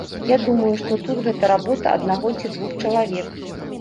Я думаю, што тут гэта работа аднаго ці двух чалавек.